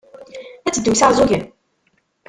Ad teddum s Iɛeẓẓugen?